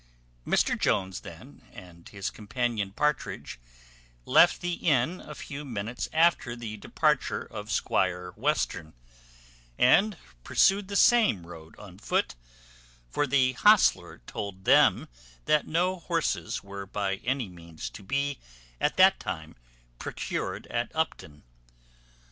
Mr Jones, then, and his companion Partridge, left the inn a few minutes after the departure of Squire Western, and pursued the same road on foot, for the hostler told them that no horses were by any means to be at that time procured at Upton.